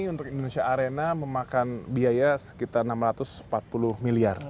untuk indonesia arena memakan biaya sekitar rp enam ratus empat puluh miliar